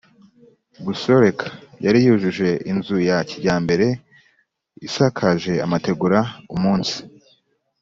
gusoreka. Yari yujuje inzu ya kijyambere isakaje amategura. Umunsi